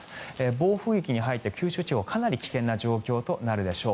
暴風域に入って、九州地方かなり危険な状況となるでしょう。